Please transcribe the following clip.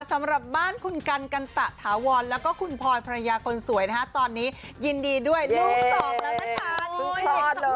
สำหรับบ้านคุณกันกันตะถาวรแล้วก็คุณพลอยภรรยาคนสวยนะฮะตอนนี้ยินดีด้วยลูกสองแล้วนะคะ